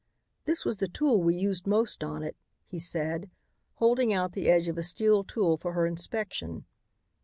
"This was the tool we used most on it," he said, holding out the edge of a steel tool for her inspection.